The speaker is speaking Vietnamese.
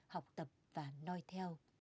học tập và nói theo